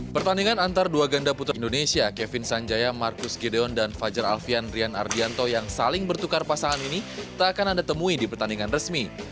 pertandingan antara dua ganda putra indonesia kevin sanjaya marcus gideon dan fajar alfian rian ardianto yang saling bertukar pasangan ini tak akan anda temui di pertandingan resmi